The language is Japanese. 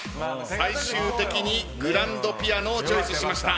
最終的にグランドピアノをチョイスしました。